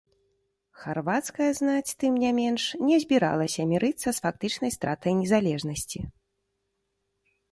Харвацкая знаць, тым не менш, не збіралася мірыцца з фактычнай стратай незалежнасці.